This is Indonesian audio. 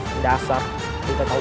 dari dasar kita tahu malu